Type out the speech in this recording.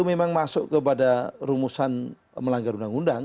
memang masuk kepada rumusan melanggar undang undang